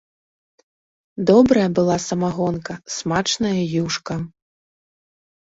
Добрая была самагонка, смачная юшка!